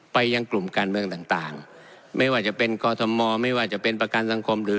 ไปยังกลุ่มการเมืองต่างต่างไม่ว่าจะเป็นกอทมไม่ว่าจะเป็นประกันสังคมหรือ